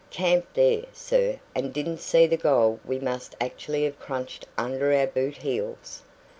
Camped there, sir, and didn't see the gold we must actually have crunched under our boot heels.